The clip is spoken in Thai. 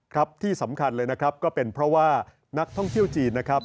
ครับที่สำคัญเลยนะครับก็เป็นเพราะว่านักท่องเที่ยวจีนนะครับ